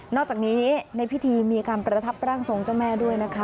อกจากนี้ในพิธีมีการประทับร่างทรงเจ้าแม่ด้วยนะคะ